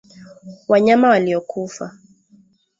Wanyama waliokufa